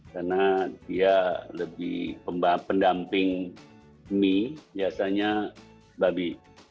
karena dia lebih pendamping mie biasanya babi